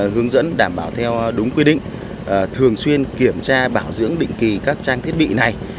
hướng dẫn đảm bảo theo đúng quy định thường xuyên kiểm tra bảo dưỡng định kỳ các trang thiết bị này